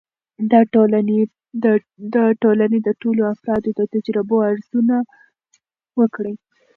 د ټولنې د ټولو افرادو د تجربو ارزونه وکړئ.